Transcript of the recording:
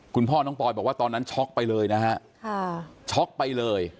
คุณพ่อน้องปอยบอกว่าตอนนั้นช็อกไปเลยนะฮะช็อกไปเลย